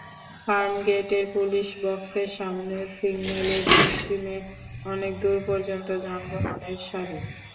ফার্মগেটের police বক্সের সামনের সিগন্যালের পশ্চিমে অনেক দূর পর্যন্ত যানবাহনের সারি।